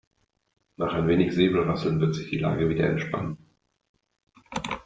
Nach ein wenig Säbelrasseln wird sich die Lage wieder entspannen.